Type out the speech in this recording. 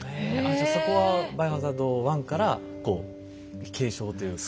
じゃそこは「バイオハザード１」からこう継承というか。